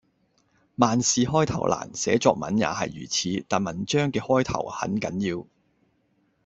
萬事開頭難，寫作文也係如此，但文章嘅開頭很緊要